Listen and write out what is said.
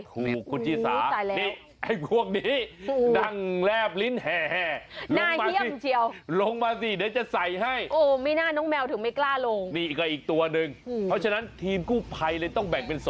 ถูกกุจิสานี่ไอ้พวกนี้ดั่งแรบลิ้นแห่ลงมาสิเดี๋ยวจะใส่ให้